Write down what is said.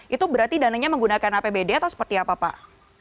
itu berarti dananya menggunakan apbd atau seperti apa pak